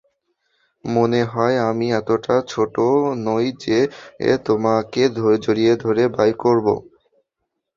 মনে হয় আমি এতটা ছোটও নই যে তোমাকে জড়িয়ে ধরে বাই করব।